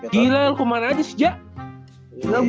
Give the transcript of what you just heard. gila lu kemana aja sejak